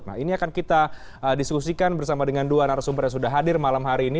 nah ini akan kita diskusikan bersama dengan dua narasumber yang sudah hadir malam hari ini